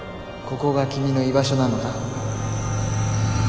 ここが君の居場所なのか？